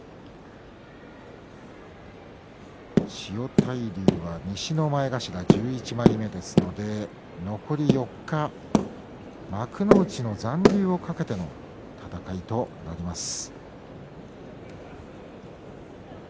千代大龍は西の前頭１１枚目ですので残り４日、幕内の残留を懸けての戦いとなります。